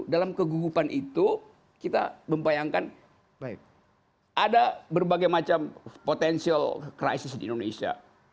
dalam kegugupan itu kita membayangkan ada berbagai macam potensial crisis di indonesia